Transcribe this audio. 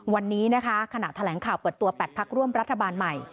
วันนี้นะคะขณะแถลงข่าวเปิดตัว๘พักร่วมรัฐบาลใหม่